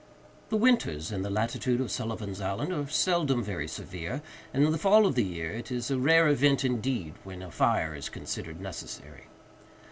The winters in the latitude of Sullivan's Island are seldom very severe, and in the fall of the year it is a rare event indeed when a fire is considered necessary.